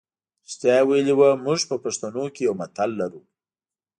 رښتیا یې ویلي وو موږ په پښتو کې یو متل لرو.